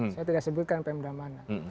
saya tidak sebutkan pemda mana